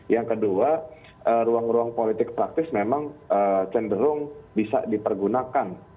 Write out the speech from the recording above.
yang kedua ruang ruang politik praktis memang cenderung bisa dipergunakan